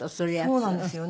そうなんですよね。